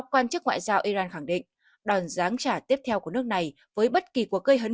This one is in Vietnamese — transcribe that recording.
quan chức ngoại giao iran khẳng định đòn ráng trả tiếp theo của nước này với bất kỳ cuộc gây hấn